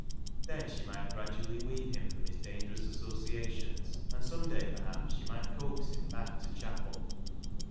Then she might gradually wean him from his dangerous associations, and some day, perhaps, she might coax him back to chapel.